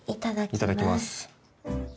いただきます